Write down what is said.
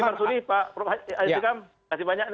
pak menteri pak pak haji sikam kasih banyak